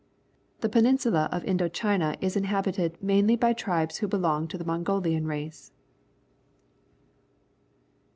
The peninsula of Indo China is inhabited mainly by tribes who belong to the Mongolian race.